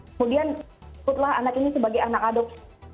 kemudian ditutup lah anak ini sebagai anak adopsi